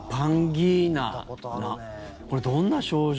これ、どんな症状？